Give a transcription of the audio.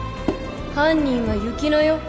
犯人は雪乃よ